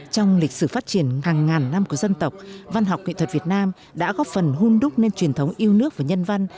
trong lịch sử phát triển hàng ngàn năm của dân tộc văn học nghệ thuật việt nam đã góp phần hôn đúc nên truyền thống yêu nước và nhân văn